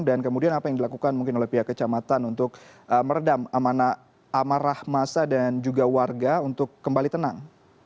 dan kemudian apa yang dilakukan mungkin oleh pihak kecamatan untuk meredam amarah masa dan juga warga untuk kembali tenang